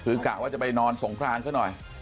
คือกะว่าจะไปนอนสงครานซะหน่อย